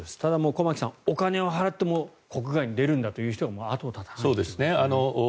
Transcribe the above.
駒木さん、お金を払っても国外に出るんだという人が後を絶たないんですね。